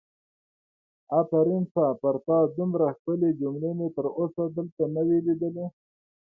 آفرین سه پر تا دومره ښکلې جملې مې تر اوسه دلته نه وي لیدلې!